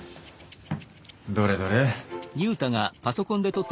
どれどれ。